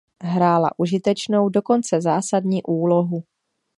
Hrála užitečnou, dokonce zásadní úlohu.